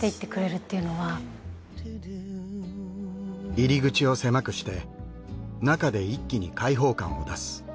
入り口を狭くして中で一気に開放感を出す。